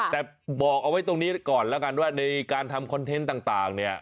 แต่บอกเอาไว้ตรงนี้ก่อนแล้วกันว่าในการทำคอนเทนต์ต่างเนี่ย